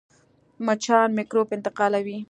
مچان میکروب انتقالوي